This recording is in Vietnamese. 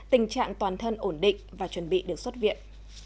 tình trạng toàn thân ổn định và chuẩn bị được xuất viện